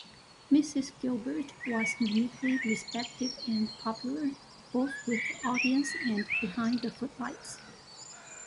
Mrs Gilbert was uniquely respected and popular, both with audiences and behind the footlights.